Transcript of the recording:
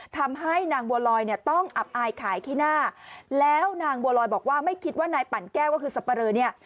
ทำให้นางบัวลอยเนี่ยต้องอับอายขายขี้หน้าแล้วนางบัวลอยบอกว่าไม่คิดว่านายปั่นแก้วก็คือสับปะเลอเนี่ย